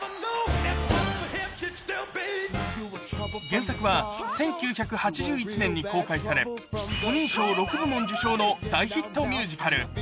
原作は１９８１年に公開され、トニー賞６部門受賞の大ヒットミュージカル。